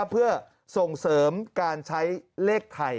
เพื่อส่งเสริมการใช้เลขไทย